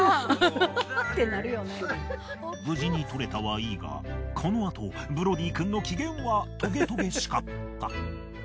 無事に取れたはいいがこのあとブロディくんの機嫌はトゲトゲしかった。